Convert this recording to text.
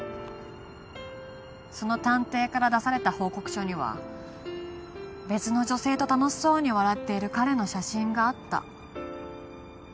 その探偵から出された報告書には別の女性と楽しそうに笑ってる彼の写真があった。